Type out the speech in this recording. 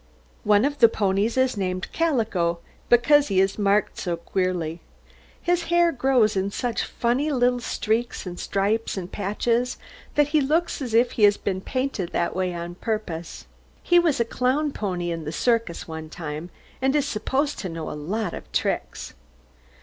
One of the ponies is named Calico, because he is marked so queerly. His hair grows in such funny little streaks and stripes and patches that he looks as if he had been painted that way on purpose. He was a clown pony in a circus one time, and is supposed to know a lot of tricks.